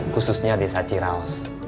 khususnya desa ciraos